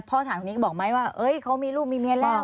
พ่อทหารคนนี้บอกไหมว่าเฮ้ยเขามีลูกมีเมียแล้ว